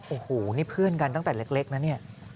โอ้โหนี่เพื่อนกันตั้งแต่เล็กนะเนี่ย